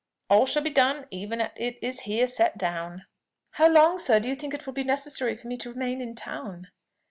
All shall be done even as it is here set down." "How long, sir, do you think it will be necessary for me to remain in town?"